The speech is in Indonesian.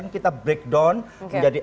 kita break down menjadi